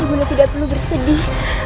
ibu undang tidak perlu bersedih